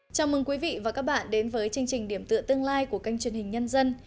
chào mừng quý vị và các bạn đến với chương trình điểm tựa tương lai của kênh truyền hình nhân dân